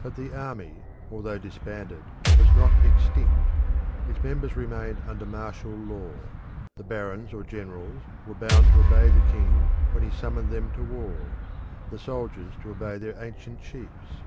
But the army, although disbanded, was not extinct; its members remained under martial law the barons or generals were bound to obey the king when he summoned them to war; the soldiers to obey their ancient chiefs.